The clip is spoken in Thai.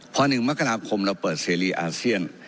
พอ๑มกราคมเราเปิดเสรีอาเซียน